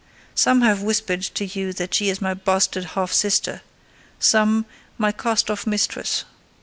Some have whispered to you that she is my bastard half sister: some, my cast off mistress.